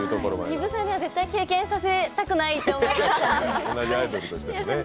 丹生さんには絶対経験させたくないと思いました。